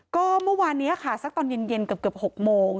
ก็เมื่อวานนี้ค่ะสักตอนเย็นเกือบ๖โมง